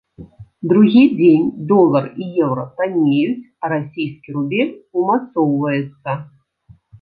Другі дзень долар і еўра таннеюць, а расійскі рубель умацоўваецца.